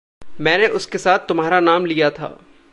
मैंने उसके साथ तुम्हारा नाम लिया था।